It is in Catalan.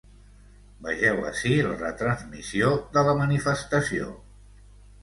Vegeu ací la retransmissió de la manifestació.